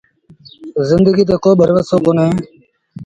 زندڪيٚ تي ڪو ڀروسو ڪونهي۔